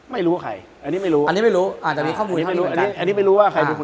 ไม่รู้ว่าใครอันนี้ไม่รู้อันนี้ไม่รู้อาจจะมีข้อมูลที่ไม่รู้